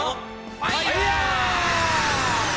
ファイヤー！